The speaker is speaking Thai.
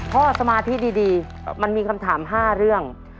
สมาธิดีมันมีคำถาม๕เรื่อง